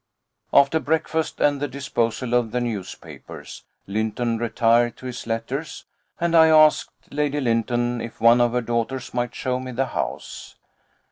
After breakfast and the disposal of the newspapers, Lynton retired to his letters, and I asked Lady Lynton if one of her daughters might show me the house.